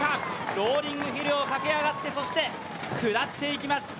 ローリングヒルを駆け上がってそして下っていきます。